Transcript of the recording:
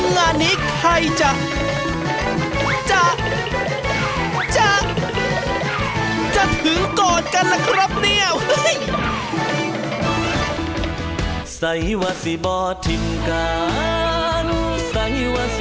งานนี้ใครจะจะถึงก่อนกันล่ะครับเนี่ย